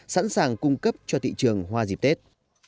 sẵn sàng cung cấp cho thị trường hoa dịp tết